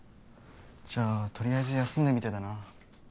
じゃあとりあえず休んでみてだな。